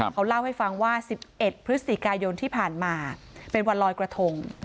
เขาเล่าให้ฟังว่า๑๑พฤศจิกายนที่ผ่านมาเป็นวันลอยกระทง